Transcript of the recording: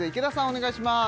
お願いします